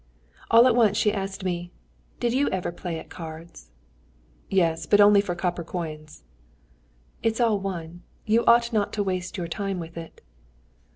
All at once she asked me, "Did you ever play at cards?" "Yes, but only for copper coins." "It's all one. You ought not to waste your time with it."